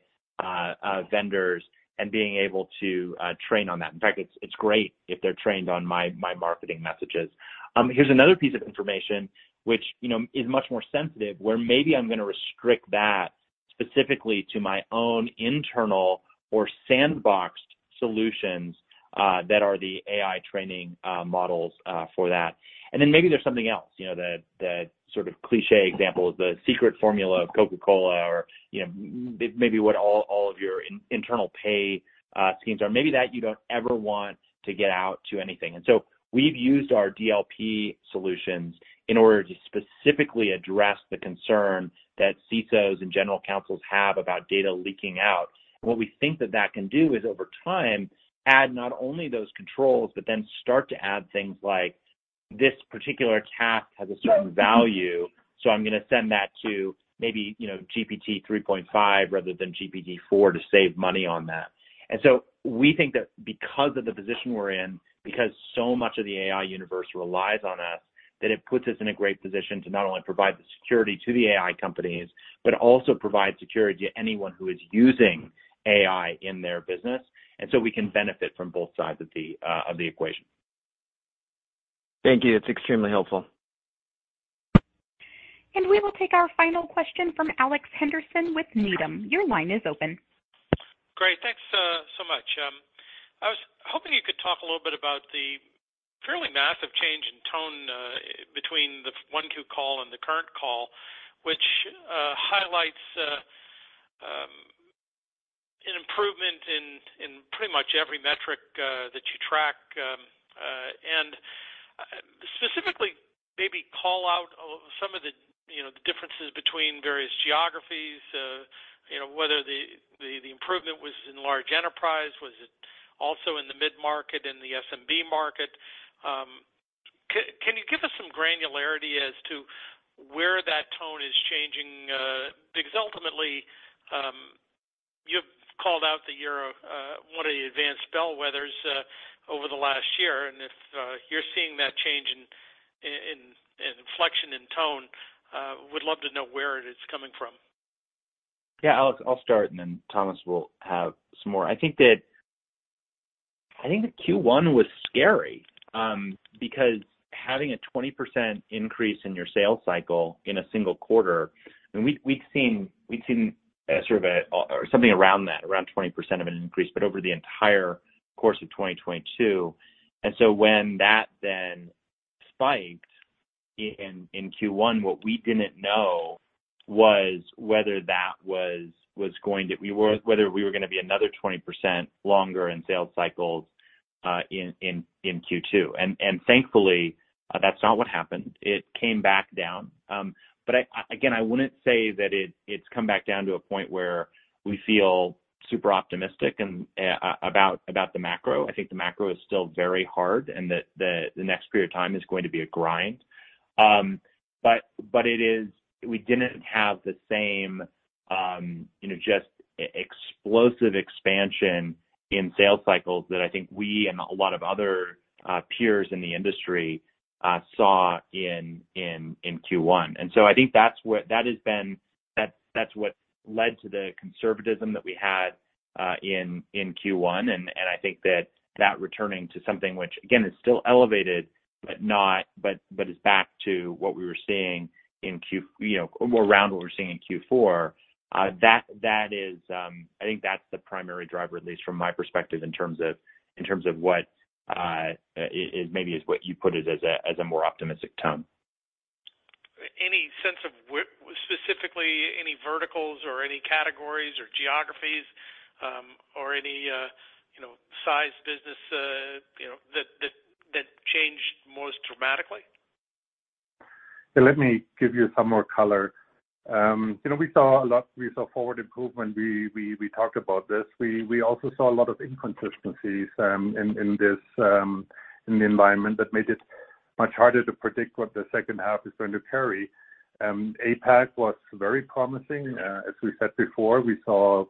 vendors and being able to train on that. In fact, it's, it's great if they're trained on my, my marketing messages. Here's another piece of information which, you know, is much more sensitive, where maybe I'm gonna restrict that specifically to my own internal or sandboxed solutions, that are the AI training models for that. Then maybe there's something else, you know, the, the sort of cliché example is the secret formula of Coca-Cola or, you know, maybe what all, all of your internal pay schemes are. Maybe that you don't ever want to get out to anything. So we've used our DLP solutions in order to specifically address the concern that CISOs and general counsels have about data leaking out. What we think that that can do is, over time, add not only those controls, but then start to add things like this particular task has a certain value, so I'm gonna send that to maybe, you know, GPT-3.5 rather than GPT-4 to save money on that. So we think that because of the position we're in, because so much of the AI universe relies on us, that it puts us in a great position to not only provide the security to the AI companies, but also provide security to anyone who is using AI in their business, and so we can benefit from both sides of the equation. Thank you. It's extremely helpful. We will take our final question from Alex Henderson with Needham. Your line is open. Great. Thanks so much. I was hoping you could talk a little bit about the fairly massive change in tone between the 1Q call and the current call, which highlights an improvement in pretty much every metric that you track. And specifically, maybe call out some of the, you know, the differences between various geographies, you know, whether the improvement was in large enterprise. Was it also in the mid-market, in the SMB market? Can you give us some granularity as to where that tone is changing? Because ultimately, you've called out the Europe, one of the advanced bellwethers over the last year, and if you're seeing that change in inflection and tone, would love to know where it is coming from. Yeah, Alex, I'll start, and then Thomas will have some more. I think that, I think that Q1 was scary, because having a 20% increase in your sales cycle in a single quarter, and we, we've seen, we've seen a sort of a, or something around that, around 20% of an increase, but over the entire course of 2022. When that then spiked in, in Q1, what we didn't know was whether that was, was going to, whether we were gonna be another 20% longer in sales cycles, in, in, in Q2. Thankfully, that's not what happened. It came back down. I, again, I wouldn't say that it, it's come back down to a point where we feel super optimistic and, about, about the macro. I think the macro is still very hard and that the, the next period of time is going to be a grind. But it is we didn't have the same, you know, just explosive expansion in sales cycles that I think we and a lot of other peers in the industry saw in, in, in Q1. So I think that's what led to the conservatism that we had in, in Q1. I think that that returning to something which, again, is still elevated, but not, but is back to what we were seeing in Q, you know, more around what we're seeing in Q4, that, that is, I think that's the primary driver, at least from my perspective, in terms of, in terms of what, it, it maybe is what you put it as a, as a more optimistic tone. Any sense of specifically any verticals or any categories or geographies, or any, you know, size business, you know, that changed most dramatically? Yeah, let me give you some more color. You know, we saw a lot, we saw forward improvement. We, we, we talked about this. We, we also saw a lot of inconsistencies in, in this, in the environment that made it much harder to predict what the second half is going to carry. APAC was very promising. As we said before, we saw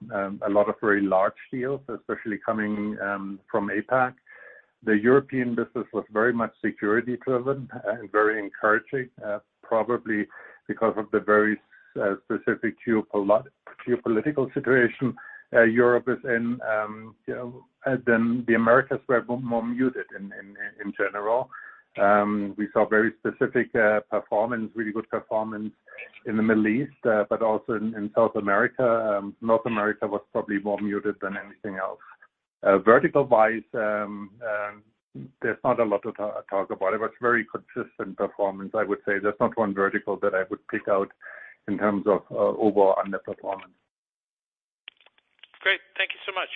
a lot of very large deals, especially coming from APAC. The European business was very much security-driven and very encouraging, probably because of the very specific geopolitical situation Europe is in. You know, the Americas were more muted in, in, in general. We saw very specific performance, really good performance in the Middle East, but also in, in South America. North America was probably more muted than anything else. Vertical-wise, there's not a lot to talk about. It was very consistent performance, I would say. There's not one vertical that I would pick out in terms of overall underperformance. Great. Thank you so much.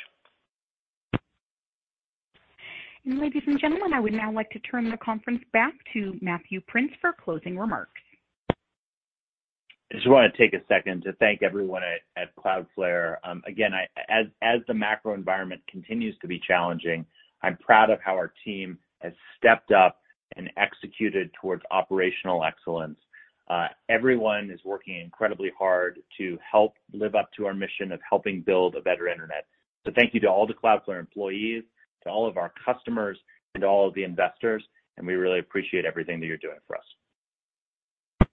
Ladies and gentlemen, I would now like to turn the conference back to Matthew Prince for closing remarks. I just wanna take a second to thank everyone at, at Cloudflare. Again, as the macro environment continues to be challenging, I'm proud of how our team has stepped up and executed towards operational excellence. Everyone is working incredibly hard to help live up to our mission of helping build a better internet. Thank you to all the Cloudflare employees, to all of our customers, and all of the investors, we really appreciate everything that you're doing for us.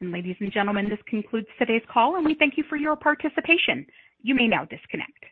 Ladies and gentlemen, this concludes today's call, and we thank you for your participation. You may now disconnect.